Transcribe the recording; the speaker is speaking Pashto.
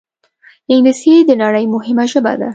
انګلیسي د نړۍ مهمه ژبه ده